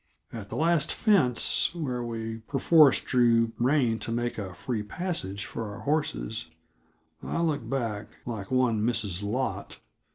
At the last fence, where we perforce drew rein to make a free passage for our horses, I looked back, like one Mrs. Lot.